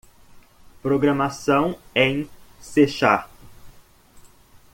Programação em C Sharp.